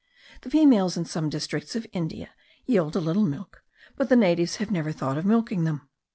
The females in some districts of India yield a little milk, but the natives have never thought of milking them.